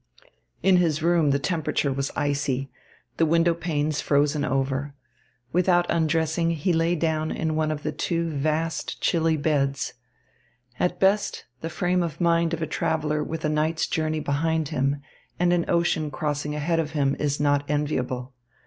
In his room, the temperature was icy, the window panes frozen over. Without undressing he lay down in one of two vast, chilly beds. At best, the frame of mind of a traveller with a night's journey behind him and an ocean crossing ahead of him, is not enviable.